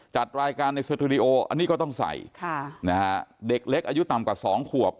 จัดรายการในสตูดิโออันนี้ก็ต้องใส่ค่ะนะฮะเด็กเล็กอายุต่ำกว่าสองขวบ